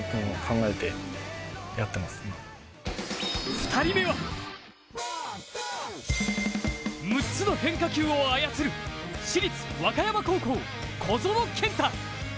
２人目は６つの変化球を操る市立和歌山高校小園健太。